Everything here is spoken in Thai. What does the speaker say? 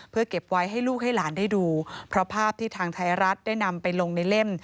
เพื่อเก็บไว้ให้ลูกให้หลานได้ดูเพราะภาพที่ทางไทยรัฐได้นำไปลงในเล่ม